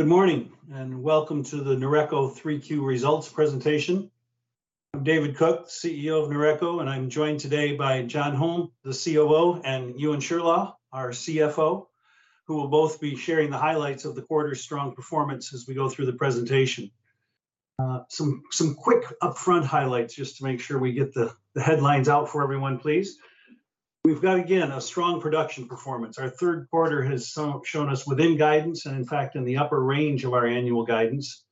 Good morning, and welcome to the Noreco Q3 results presentation. I'm David Cook, CEO of Noreco, and I'm joined today by John Hulme, the COO, and Euan Shirlaw, our CFO, who will both be sharing the highlights of the quarter's strong performance as we go through the presentation. Some quick upfront highlights just to make sure we get the headlines out for everyone, please. We've got again a strong production performance. Our third quarter has shown us within guidance and in fact in the upper range of our annual guidance.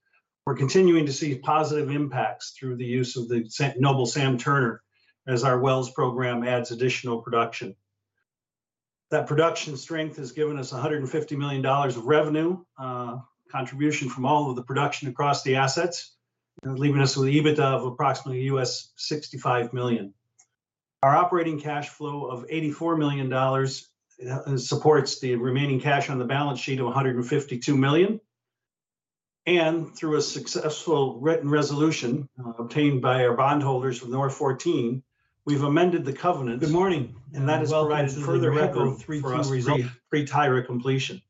We're continuing to see positive impacts through the use of the Noble Sam Turner as our wells program adds additional production. That production strength has given us $150 million of revenue contribution from all of the production across the assets, leaving us with an EBITDA of approximately $65 million. Our operating cash flow of $84 million supports the remaining cash on the balance sheet of $152 million. Through a successful written resolution obtained by our bondholders from NOR14, we've amended the covenant. Good morning, and welcome to the Noreco Q3 results pre-Tyra completion.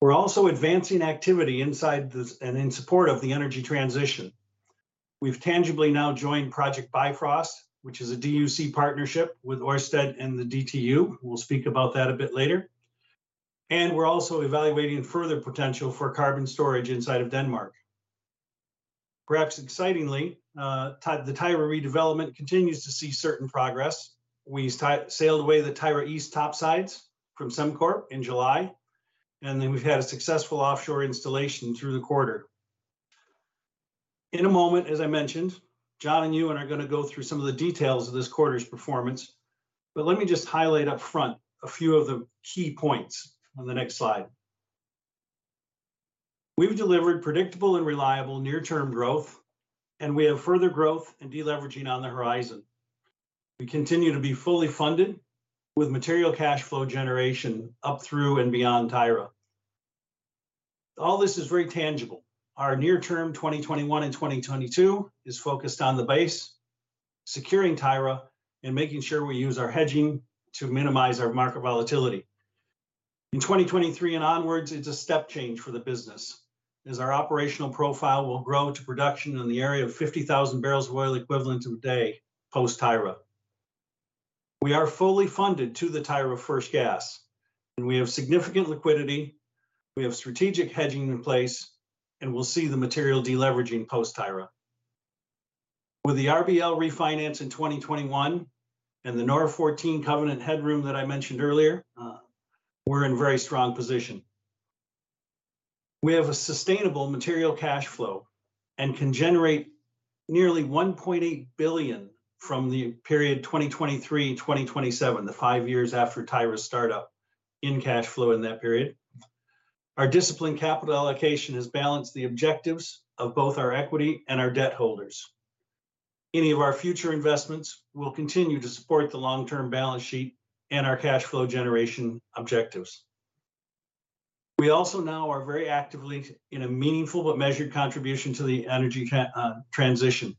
We're also advancing activity inside this and in support of the energy transition. We've tangibly now joined Project Bifrost, which is a DUC partnership with Ørsted and the DTU. We'll speak about that a bit later. We're also evaluating further potential for carbon storage inside of Denmark. Perhaps excitingly, the Tyra redevelopment continues to see certain progress. We sailed away the Tyra East topsides from Sembcorp in July, and then we've had a successful offshore installation through the quarter. In a moment, as I mentioned, John and Euan are gonna go through some of the details of this quarter's performance, but let me just highlight up front a few of the key points on the next slide. We've delivered predictable and reliable near-term growth, and we have further growth and deleveraging on the horizon. We continue to be fully funded with material cash flow generation up through and beyond Tyra. All this is very tangible. Our near-term 2021 and 2022 is focused on the base, securing Tyra, and making sure we use our hedging to minimize our market volatility. In 2023 and onwards, it's a step change for the business as our operational profile will grow to production in the area of 50,000 barrels of oil equivalent a day post Tyra. We are fully funded to the Tyra first gas, and we have significant liquidity, we have strategic hedging in place, and we'll see the material deleveraging post Tyra. With the RBL refinance in 2021 and the NOR14 covenant headroom that I mentioned earlier, we're in very strong position. We have a sustainable material cash flow and can generate nearly $1.8 billion from the period 2023 and 2027, the five years after Tyra's startup in cash flow in that period. Our disciplined capital allocation has balanced the objectives of both our equity and our debt holders. Any of our future investments will continue to support the long-term balance sheet and our cash flow generation objectives. We also now are very actively in a meaningful but measured contribution to the energy transition.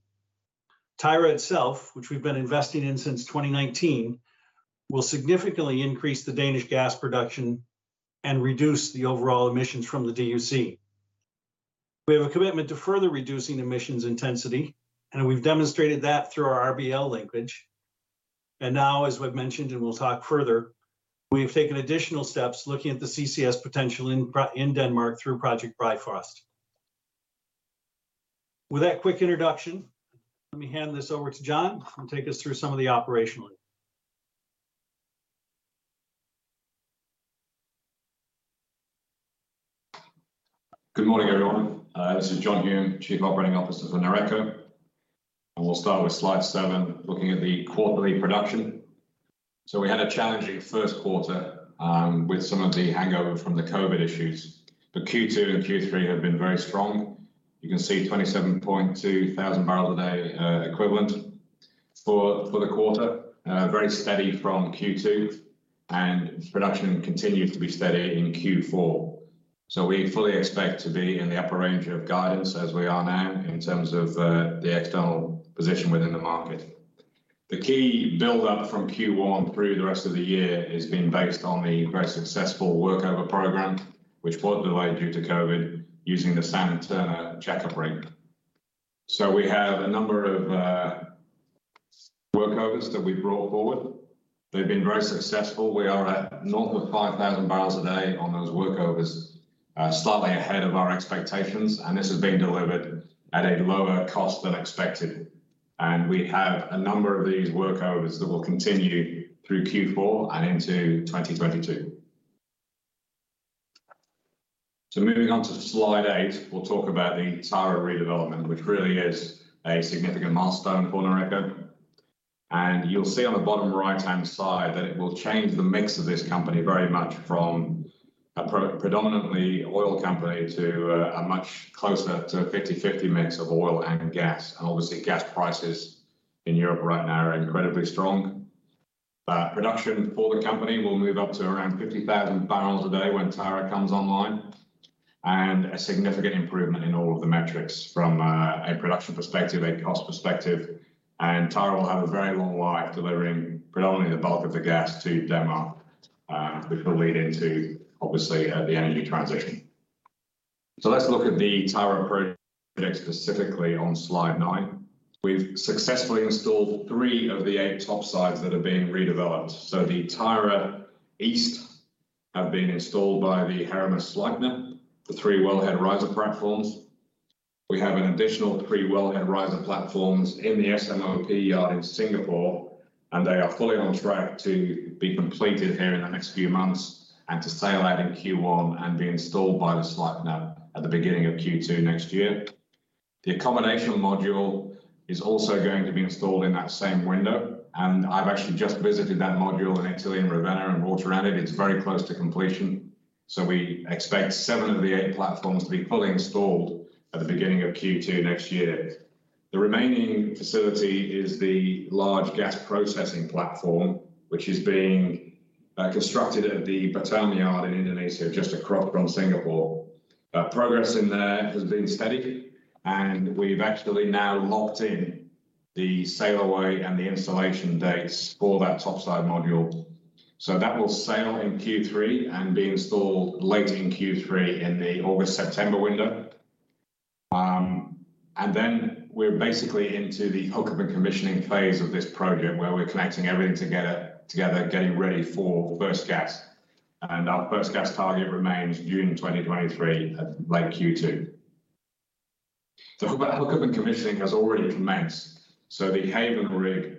Tyra itself, which we've been investing in since 2019, will significantly increase the Danish gas production and reduce the overall emissions from the DUC. We have a commitment to further reducing emissions intensity, and we've demonstrated that through our RBL linkage. Now, as we've mentioned, and we'll talk further, we've taken additional steps looking at the CCS potential in Denmark through Project Bifrost. With that quick introduction, let me hand this over to John, who will take us through some of the operational. Good morning, everyone. This is John Hulme, Chief Operating Officer for Noreco. We'll start with slide seven, looking at the quarterly production. We had a challenging first quarter with some of the hangover from the COVID issues. Q2 and Q3 have been very strong. You can see 27.200 barrels a day equivalent for the quarter, very steady from Q2, and production continued to be steady in Q4. We fully expect to be in the upper range of guidance as we are now in terms of the external position within the market. The key build-up from Q1 through the rest of the year has been based on the very successful workover program, which was delayed due to COVID using the Noble Sam Turner jackup rig. We have a number of workovers that we brought forward. They've been very successful. We are at north of 5,000 barrels a day on those workovers, slightly ahead of our expectations, and this has been delivered at a lower cost than expected. We have a number of these workovers that will continue through Q4 and into 2022. Moving on to slide eight, we'll talk about the Tyra redevelopment, which really is a significant milestone for Noreco. You'll see on the bottom right-hand side that it will change the mix of this company very much from a predominantly oil company to a much closer to a 50-50 mix of oil and gas. Obviously, gas prices in Europe right now are incredibly strong. Production for the company will move up to around 50,000 barrels a day when Tyra comes online, and a significant improvement in all of the metrics from a production perspective, a cost perspective. Tyra will have a very long life delivering predominantly the bulk of the gas to Denmark, which will lead into obviously the energy transition. Let's look at the Tyra project specifically on slide nine. We've successfully installed three of the eight topsides that are being redeveloped. The Tyra East has been installed by the Heerema Sleipnir, the three wellhead riser platforms. We have an additional three wellhead riser platforms in the SMOP yard in Singapore, and they are fully on track to be completed here in the next few months and to sail out in Q1 and be installed by the Sleipnir at the beginning of Q2 next year. The accommodation module is also going to be installed in that same window, and I've actually just visited that module in Italy, in Ravenna and walked around it. It's very close to completion. We expect seven of the eight platforms to be fully installed at the beginning of Q2 next year. The remaining facility is the large gas processing platform, which is being constructed at the Batam yard in Indonesia, just across from Singapore. Progress in there has been steady and we've actually now locked in the sail away and the installation dates for that topside module. That will sail in Q3 and be installed late in Q3 in the August-September window. We're basically into the hook-up and commissioning phase of this program, where we're connecting everything together, getting ready for first gas. Our first gas target remains June 2023 at late Q2. The hook-up and commissioning has already commenced, so the Haven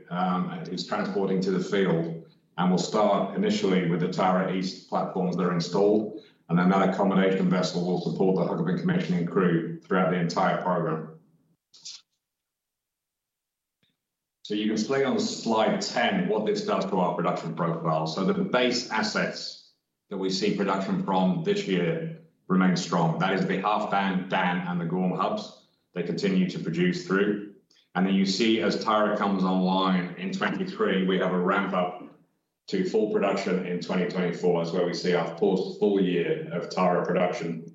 is transporting to the field and will start initially with the Tyra East platforms that are installed, and then that accommodation vessel will support the hookup and commissioning crew throughout the entire program. You can see on slide 10 what this does to our production profile. The base assets that we see production from this year remain strong. That is the Halfdan and the Gorm hubs. They continue to produce through. Then you see as Tyra comes online in 2023, we have a ramp up to full production in 2024. That's where we see our post full year of Tyra production.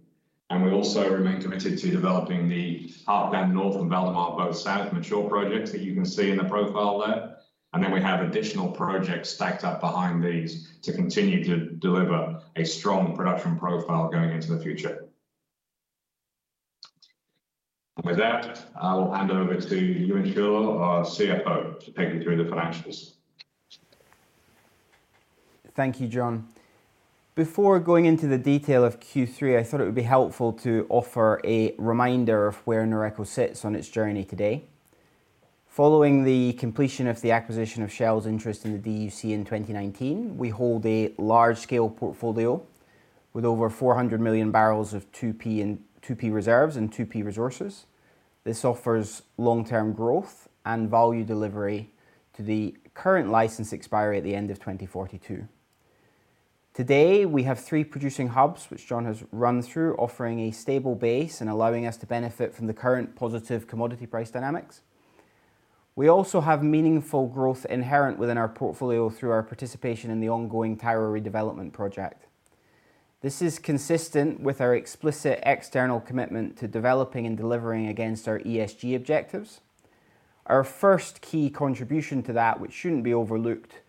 We also remain committed to developing the Halfdan North and Valdemar Bo South mature projects that you can see in the profile there. Then we have additional projects stacked up behind these to continue to deliver a strong production profile going into the future. With that, I will hand over to Euan Shirlaw, our CFO, to take you through the financials. Thank you, John. Before going into the detail of Q3, I thought it would be helpful to offer a reminder of where Noreco sits on its journey today. Following the completion of the acquisition of Shell's interest in the DUC in 2019, we hold a large-scale portfolio with over 400 million barrels of 2P reserves and 2P resources. This offers long-term growth and value delivery to the current license expiry at the end of 2042. Today, we have three producing hubs, which John has run through, offering a stable base and allowing us to benefit from the current positive commodity price dynamics. We also have meaningful growth inherent within our portfolio through our participation in the ongoing Tyra redevelopment project. This is consistent with our explicit external commitment to developing and delivering against our ESG objectives. Our first key contribution to that, which shouldn't be overlooked,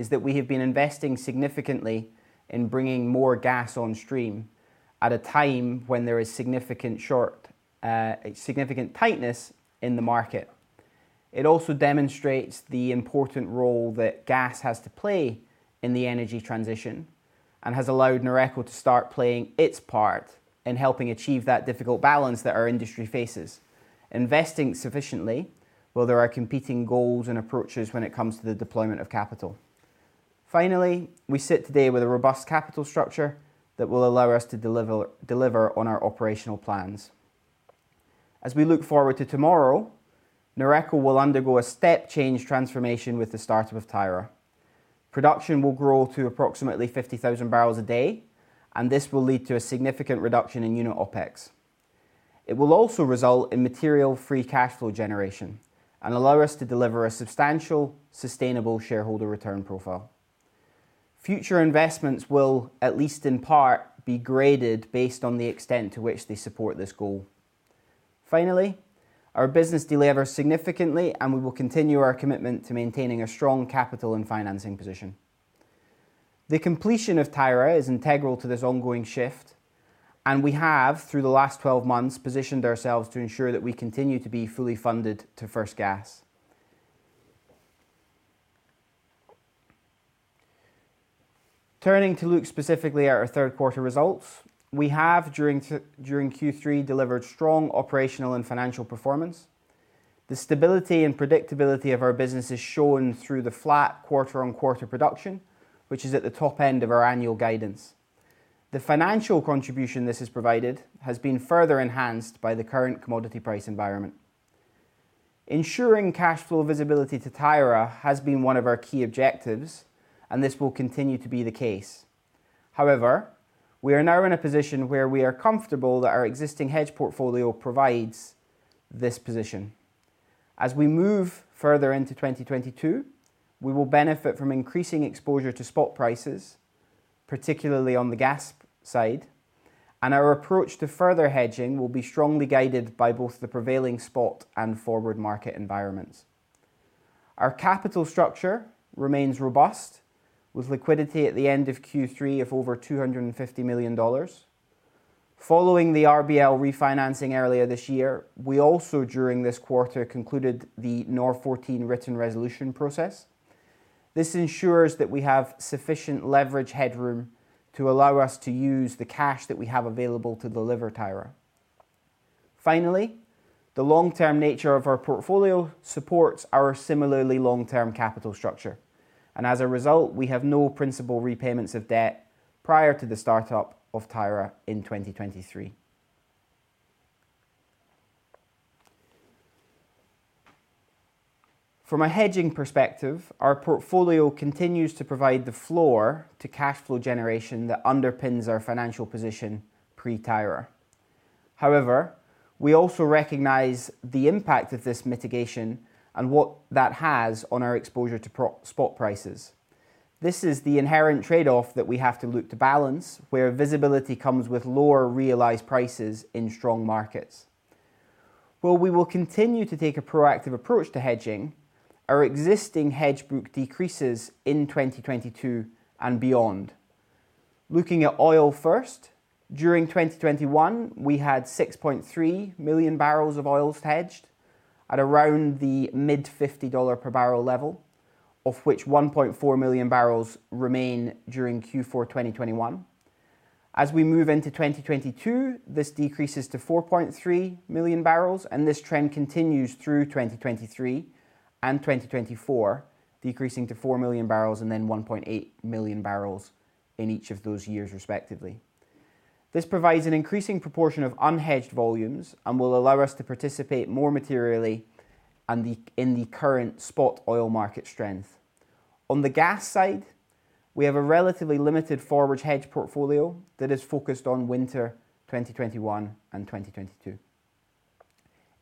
is that we have been investing significantly in bringing more gas on stream at a time when there is significant tightness in the market. It also demonstrates the important role that gas has to play in the energy transition and has allowed Noreco to start playing its part in helping achieve that difficult balance that our industry faces, investing sufficiently where there are competing goals and approaches when it comes to the deployment of capital. Finally, we sit today with a robust capital structure that will allow us to deliver on our operational plans. As we look forward to tomorrow, Noreco will undergo a step change transformation with the start of Tyra. Production will grow to approximately 50,000 barrels a day, and this will lead to a significant reduction in unit OpEx. It will also result in material free cash flow generation and allow us to deliver a substantial sustainable shareholder return profile. Future investments will, at least in part, be graded based on the extent to which they support this goal. Finally, our business delevers significantly, and we will continue our commitment to maintaining a strong capital and financing position. The completion of Tyra is integral to this ongoing shift, and we have, through the last twelve months, positioned ourselves to ensure that we continue to be fully funded to first gas. Turning to look specifically at our third quarter results. We have during Q3 delivered strong operational and financial performance. The stability and predictability of our business is shown through the flat quarter-on-quarter production, which is at the top end of our annual guidance. The financial contribution this has provided has been further enhanced by the current commodity price environment. Ensuring cash flow visibility to Tyra has been one of our key objectives, and this will continue to be the case. However, we are now in a position where we are comfortable that our existing hedge portfolio provides this position. As we move further into 2022, we will benefit from increasing exposure to spot prices, particularly on the gas side, and our approach to further hedging will be strongly guided by both the prevailing spot and forward market environments. Our capital structure remains robust, with liquidity at the end of Q3 of over $250 million. Following the RBL refinancing earlier this year, we also during this quarter concluded the NOR14 written resolution process. This ensures that we have sufficient leverage headroom to allow us to use the cash that we have available to deliver Tyra. Finally, the long-term nature of our portfolio supports our similarly long-term capital structure, and as a result, we have no principal repayments of debt prior to the startup of Tyra in 2023. From a hedging perspective, our portfolio continues to provide the floor to cash flow generation that underpins our financial position pre-Tyra. However, we also recognize the impact of this mitigation and what that has on our exposure to upside spot prices. This is the inherent trade-off that we have to look to balance, where visibility comes with lower realized prices in strong markets. While we will continue to take a proactive approach to hedging, our existing hedge book decreases in 2022 and beyond. Looking at oil first, during 2021 we had 6.3 million barrels of oil hedged at around the mid-$50 per barrel level, of which 1.4 million barrels remain during Q4 2021. As we move into 2022, this decreases to 4.3 million barrels, and this trend continues through 2023 and 2024, decreasing to 4 million barrels and then 1.8 million barrels in each of those years respectively. This provides an increasing proportion of unhedged volumes and will allow us to participate more materially in the current spot oil market strength. On the gas side, we have a relatively limited forward hedge portfolio that is focused on winter 2021 and 2022.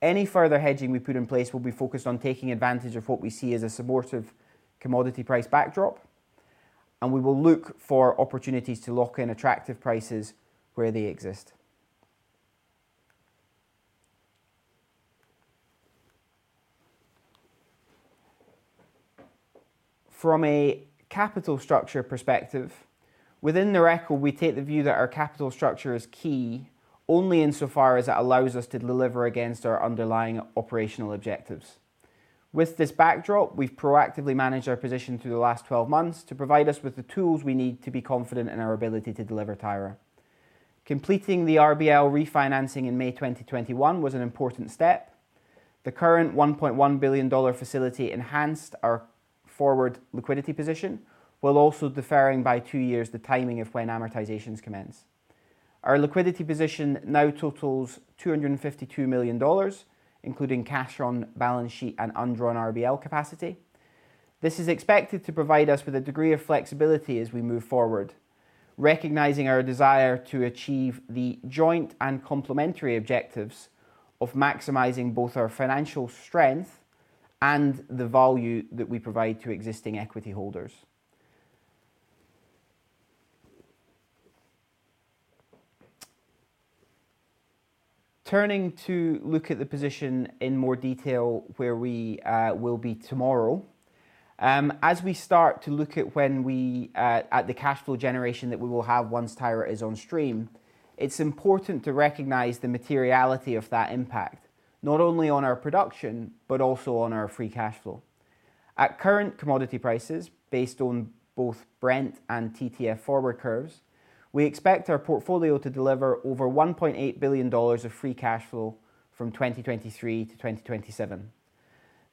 Any further hedging we put in place will be focused on taking advantage of what we see as a supportive commodity price backdrop, and we will look for opportunities to lock in attractive prices where they exist. From a capital structure perspective, within Noreco, we take the view that our capital structure is key only insofar as it allows us to deliver against our underlying operational objectives. With this backdrop, we've proactively managed our position through the last 12 months to provide us with the tools we need to be confident in our ability to deliver Tyra. Completing the RBL refinancing in May 2021 was an important step. The current $1.1 billion facility enhanced our forward liquidity position while also deferring by two years the timing of when amortizations commence. Our liquidity position now totals $252 million, including cash on balance sheet and undrawn RBL capacity. This is expected to provide us with a degree of flexibility as we move forward, recognizing our desire to achieve the joint and complementary objectives of maximizing both our financial strength and the value that we provide to existing equity holders. Turning to look at the position in more detail where we will be tomorrow. As we start to look at the cash flow generation that we will have once Tyra is on stream, it's important to recognize the materiality of that impact, not only on our production, but also on our free cash flow. At current commodity prices, based on both Brent and TTF forward curves, we expect our portfolio to deliver over $1.8 billion of free cash flow from 2023 to 2027.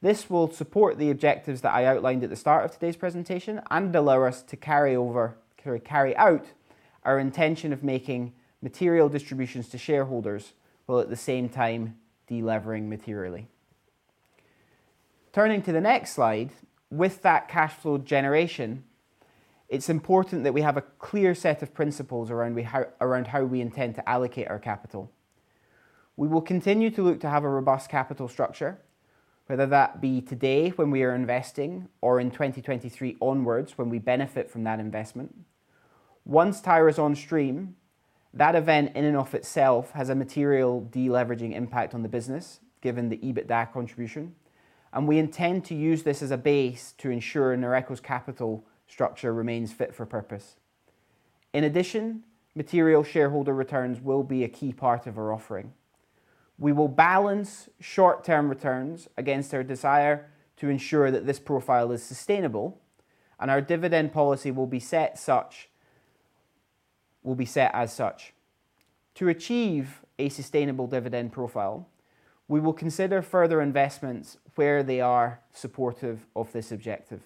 This will support the objectives that I outlined at the start of today's presentation and allow us to carry out our intention of making material distributions to shareholders, while at the same time delevering materially. Turning to the next slide, with that cash flow generation, it's important that we have a clear set of principles around how we intend to allocate our capital. We will continue to look to have a robust capital structure, whether that be today when we are investing or in 2023 onwards when we benefit from that investment. Once Tyra is on stream, that event in and of itself has a material deleveraging impact on the business, given the EBITDA contribution, and we intend to use this as a base to ensure Noreco's capital structure remains fit for purpose. In addition, material shareholder returns will be a key part of our offering. We will balance short-term returns against our desire to ensure that this profile is sustainable, and our dividend policy will be set as such. To achieve a sustainable dividend profile, we will consider further investments where they are supportive of this objective.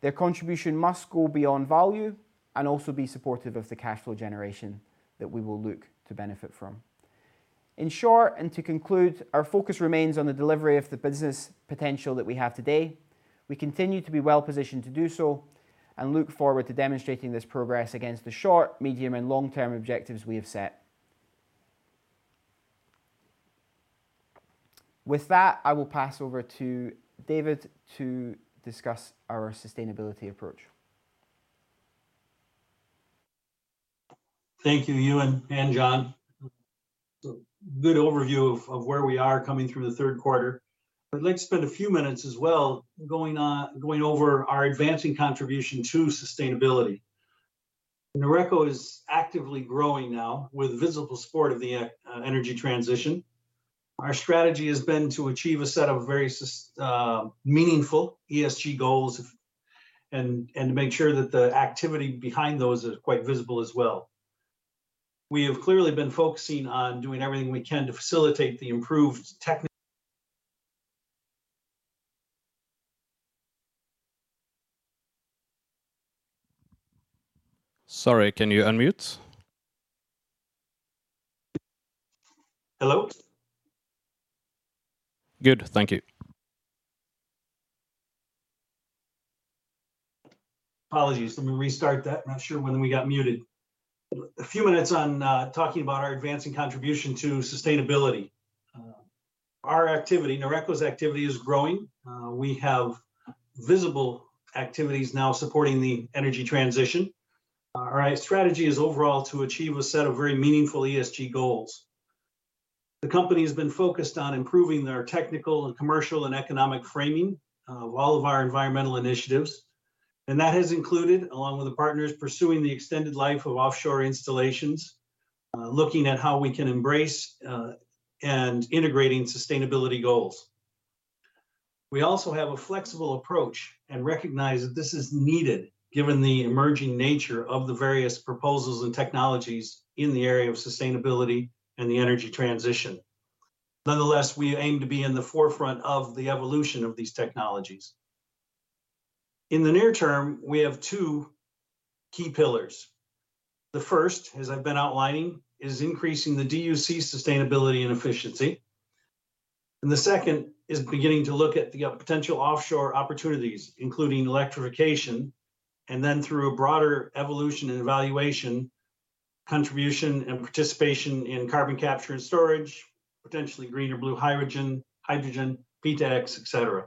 Their contribution must go beyond value and also be supportive of the cash flow generation that we will look to benefit from. In short, to conclude, our focus remains on the delivery of the business potential that we have today. We continue to be well positioned to do so and look forward to demonstrating this progress against the short, medium, and long-term objectives we have set. With that, I will pass over to David to discuss our sustainability approach. Thank you, Euan and John. Good overview of where we are coming through the third quarter. I'd like to spend a few minutes as well going over our advancing contribution to sustainability. Noreco is actively growing now with visible support of the energy transition. Our strategy has been to achieve a set of very meaningful ESG goals and to make sure that the activity behind those are quite visible as well. We have clearly been focusing on doing everything we can to facilitate the improved techni- Sorry, can you unmute? Hello. Good, thank you. Apologies. Let me restart that. I'm not sure when we got muted. A few minutes on, talking about our advancing contribution to sustainability. Our activity, Noreco's activity is growing. We have visible activities now supporting the energy transition. Our strategy is overall to achieve a set of very meaningful ESG goals. The company has been focused on improving their technical and commercial and economic framing of all of our environmental initiatives, and that has included, along with the partners, pursuing the extended life of offshore installations, looking at how we can embrace, and integrating sustainability goals. We also have a flexible approach and recognize that this is needed given the emerging nature of the various proposals and technologies in the area of sustainability and the energy transition. Nonetheless, we aim to be in the forefront of the evolution of these technologies. In the near term, we have two key pillars. The first, as I've been outlining, is increasing the DUC sustainability and efficiency. The second is beginning to look at the potential offshore opportunities, including electrification, and then through a broader evolution and evaluation, contribution, and participation in carbon capture and storage, potentially green or blue hydrogen, PtX, etc.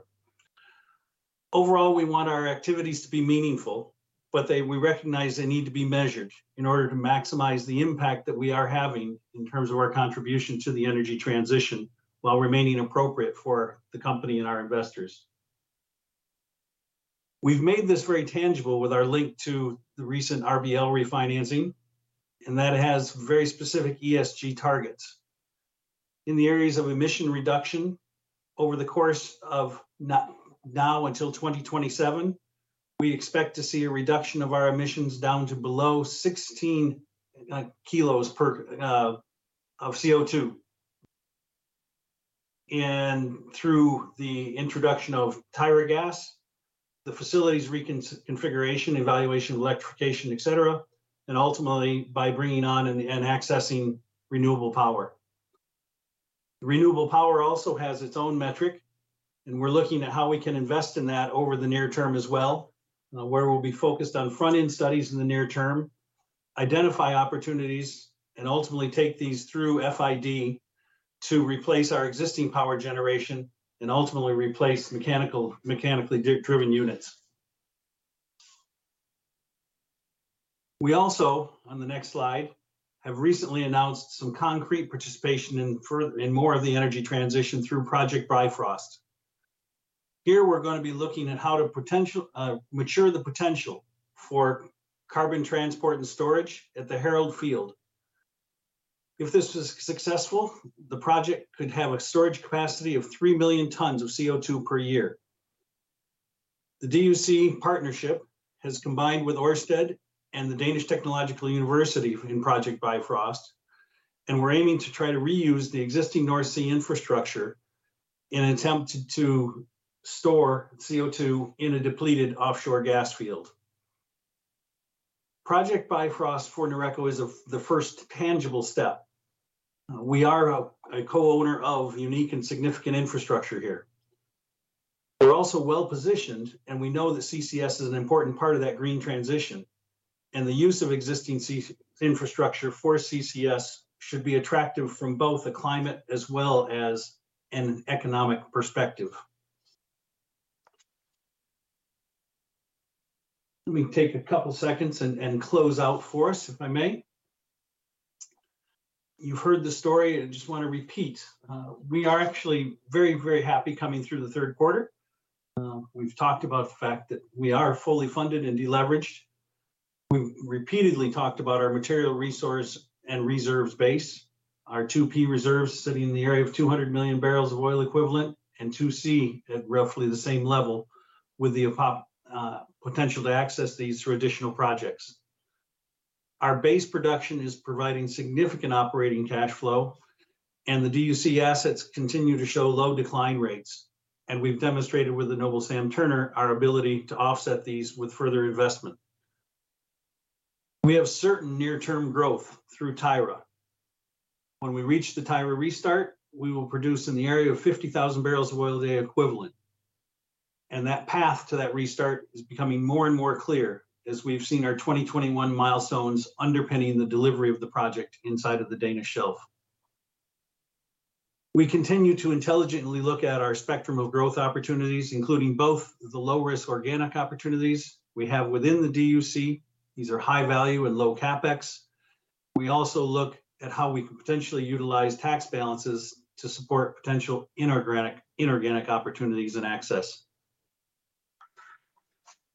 Overall, we want our activities to be meaningful, but we recognize they need to be measured in order to maximize the impact that we are having in terms of our contribution to the energy transition while remaining appropriate for the company and our investors. We've made this very tangible with our link to the recent RBL refinancing, and that has very specific ESG targets. In the areas of emission reduction over the course of now until 2027, we expect to see a reduction of our emissions down to below 16 kg CO2 per boe, through the introduction of Tyra Gas, the facility's reconfiguration, evaluation, electrification, etc., and ultimately by bringing on and accessing renewable power. The renewable power also has its own metric, and we're looking at how we can invest in that over the near term as well, where we'll be focused on front-end studies in the near term, identify opportunities, and ultimately take these through FID to replace our existing power generation and ultimately replace mechanically driven units. We also, on the next slide, have recently announced some concrete participation in more of the energy transition through Project Bifrost. Here we're going to be looking at how to mature the potential for carbon transport and storage at the Harald field. If this is successful, the project could have a storage capacity of 3 million tons of CO2 per year. The DUC partnership has combined with Ørsted and the Technical University of Denmark in Project Bifrost, and we're aiming to try to reuse the existing North Sea infrastructure in an attempt to store CO2 in a depleted offshore gas field. Project Bifrost for Noreco is the first tangible step. We are a co-owner of unique and significant infrastructure here. We're also well-positioned, and we know that CCS is an important part of that green transition, and the use of existing sea infrastructure for CCS should be attractive from both a climate as well as an economic perspective. Let me take a couple seconds and close out for us, if I may. You've heard the story, and I just want to repeat. We are actually very, very happy coming through the third quarter. We've talked about the fact that we are fully funded and deleveraged. We've repeatedly talked about our material resource and reserves base, our 2P reserves sitting in the area of 200 million barrels of oil equivalent, and 2C at roughly the same level with the potential to access these through additional projects. Our base production is providing significant operating cash flow, and the DUC assets continue to show low decline rates, and we've demonstrated with the Noble Sam Turner our ability to offset these with further investment. We have certain near-term growth through Tyra. When we reach the Tyra restart, we will produce in the area of 50,000 barrels of oil equivalent a day. That path to that restart is becoming more and more clear as we've seen our 2021 milestones underpinning the delivery of the project inside of the Danish shelf. We continue to intelligently look at our spectrum of growth opportunities, including both the low-risk organic opportunities we have within the DUC. These are high value and low CapEx. We also look at how we can potentially utilize tax balances to support potential inorganic opportunities and access.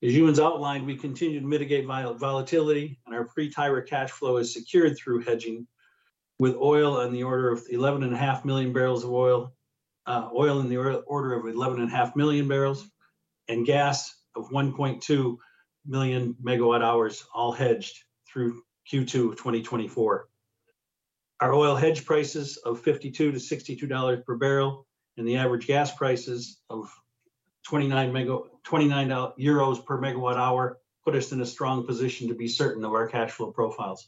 As Euan's outlined, we continue to mitigate volatility, and our pre-Tyra cash flow is secured through hedging with oil in the order of 11.5 million barrels and gas of 1.2 million MWh, all hedged through Q2 of 2024. Our oil hedge prices of $52-$62 per barrel and the average gas prices of 29 euros per MWh put us in a strong position to be certain of our cash flow profiles.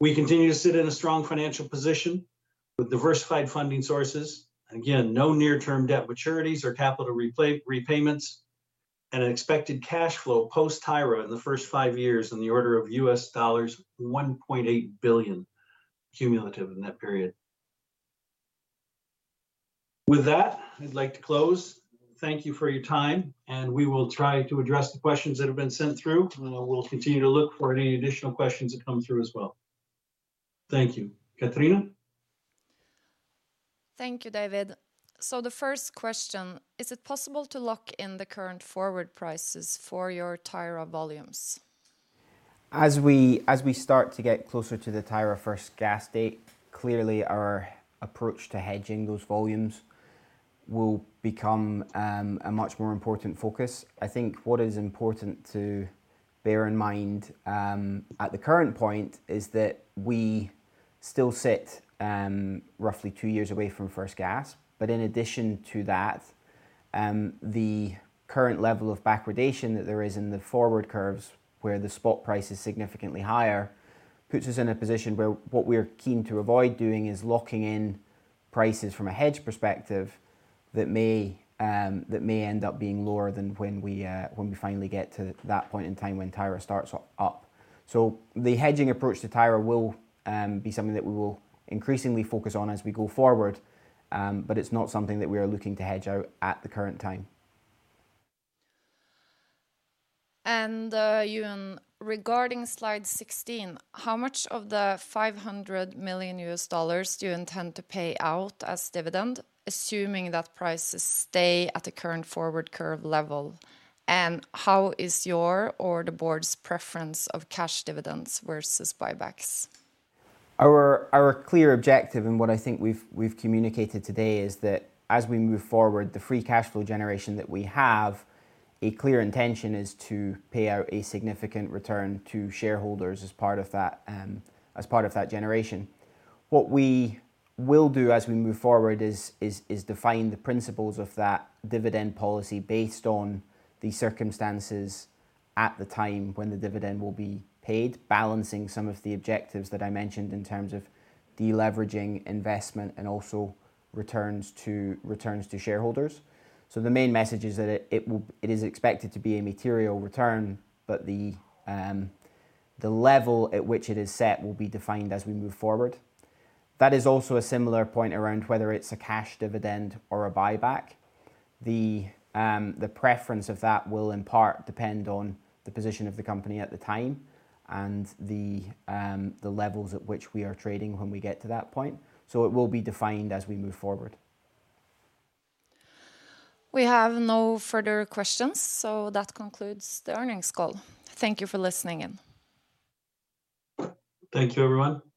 We continue to sit in a strong financial position with diversified funding sources. Again, no near-term debt maturities or capital repayments and an expected cash flow post-Tyra in the first five years in the order of $1.8 billion cumulative in that period. With that, I'd like to close. Thank you for your time, and we will try to address the questions that have been sent through, and we'll continue to look for any additional questions that come through as well. Thank you. Catherine? Thank you, David. The first question, is it possible to lock in the current forward prices for your Tyra volumes? As we start to get closer to the Tyra first gas date, clearly our approach to hedging those volumes will become a much more important focus. I think what is important to bear in mind at the current point is that we still sit roughly two years away from first gas. In addition to that, the current level of backwardation that there is in the forward curves where the spot price is significantly higher puts us in a position where what we're keen to avoid doing is locking in prices from a hedge perspective that may end up being lower than when we finally get to that point in time when Tyra starts up. The hedging approach to Tyra will be something that we will increasingly focus on as we go forward, but it's not something that we are looking to hedge out at the current time. Euan, regarding slide 16, how much of the $500 million do you intend to pay out as dividend, assuming that prices stay at the current forward curve level? How is your or the board's preference of cash dividends versus buybacks? Our clear objective and what I think we've communicated today is that as we move forward, the free cash flow generation that we have, a clear intention is to pay out a significant return to shareholders as part of that generation. What we will do as we move forward is define the principles of that dividend policy based on the circumstances at the time when the dividend will be paid, balancing some of the objectives that I mentioned in terms of deleveraging investment and also returns to shareholders. The main message is that it is expected to be a material return, but the level at which it is set will be defined as we move forward. That is also a similar point around whether it's a cash dividend or a buyback. The preference of that will in part depend on the position of the company at the time and the levels at which we are trading when we get to that point. It will be defined as we move forward. We have no further questions, so that concludes the earnings call. Thank you for listening in. Thank you, everyone.